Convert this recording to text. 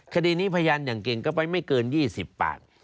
คดีนี้พยานอย่างเก่งก็ไปไม่เกิน๒๐ปาก